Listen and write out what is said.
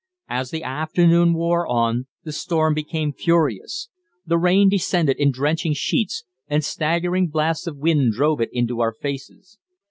As the afternoon wore on, the storm became furious. The rain descended in drenching sheets, and staggering blasts of wind drove it into our faces.